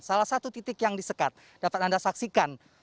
salah satu titik yang disekat dapat anda saksikan